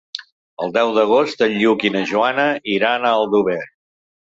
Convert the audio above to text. El deu d'agost en Lluc i na Joana iran a Aldover.